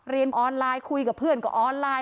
เรียนออนไลน์คุยกับเพื่อนก็ออนไลน์